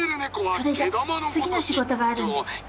それじゃ次の仕事があるんで。